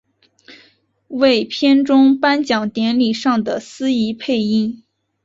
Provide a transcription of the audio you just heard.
为片中颁奖典礼上的司仪配音。